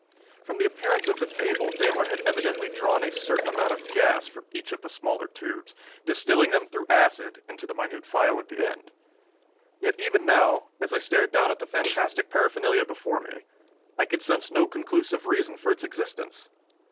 From the appearance of the table, Daimler had evidently drawn a certain amount of gas from each of the smaller tubes, distilling them through acid into the minute phial at the end. Yet even now, as I stared down at the fantastic paraphernalia before me, I could sense no conclusive reason for its existence.